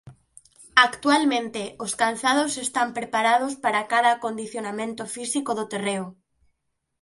Actualmente os calzados están preparados para cada acondicionamento físico do terreo.